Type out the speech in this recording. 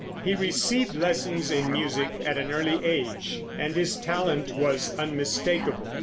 He received lessons in music at an early age, and his talent was unmistakable.